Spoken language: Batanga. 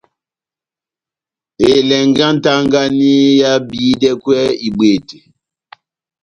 Elɛngɛ yá nʼtagani ehábihidɛkwɛ ibwete.